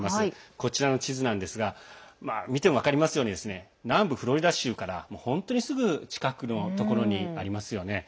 こちらの地図なんですが見て分かりますように南部のフロリダ州から本当にすぐ近くにあります。